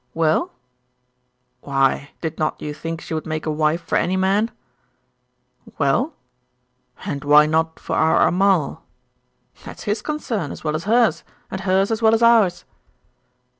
'Well?' 'Why, did not you think she would make a wife for any man?' 'Well?' 'And why not for our Amal?' 'That's his concern as well as hers, and hers as well as ours.